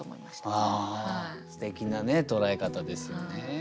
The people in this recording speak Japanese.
すてきなね捉え方ですよね。